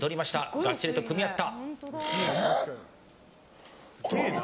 がっちりと組み合った。